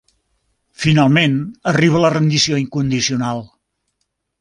Finalment arriba la rendició incondicional.